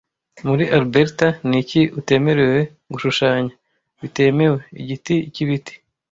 Muri Alberta niki utemerewe gushushanya (bitemewe) Igiti cyibiti